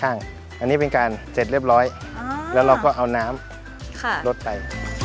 อันนี้เป็นการเสร็จเรียบร้อยแล้วเราก็เอาน้ำลดไป